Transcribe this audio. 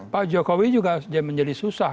pak jokowi juga menjadi susah